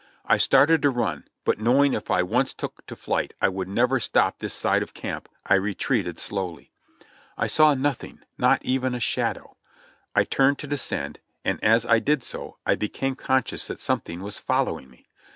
I started to run, but knowing if I once took to flight I would never stop this side of camp, I retreated slowly. I saw nothing — not even a shadow. I turned to descend, and as I did so, I became conscious that something was following me.